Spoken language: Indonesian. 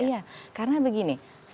iya karena begini